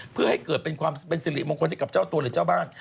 เพื่อให้เกิดเป็นความเป็นสิริมงคลให้กับเจ้าตัวหรือเจ้าบ้าน